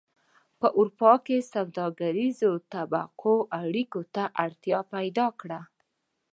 په اروپا کې سوداګریزو طبقو اړیکو ته اړتیا پیدا کړه